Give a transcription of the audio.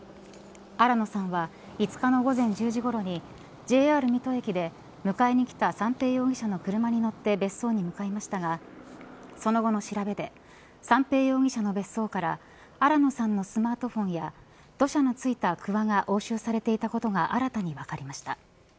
新野さんは５日の午前１０時ごろにＪＲ水戸駅で、迎えに来た三瓶容疑者の車に乗って別荘に向かいましたがその後の調べで三瓶容疑者の別荘から新野さんのスマートフォンや土砂のついたくわが押収されていたことが新たに分かりました。